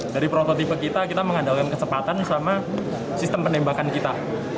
dari prototipe kita kita mengandalkan kecepatan sama sistem penembakan kita